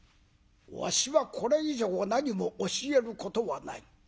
わしはこれ以上何も教えることはない。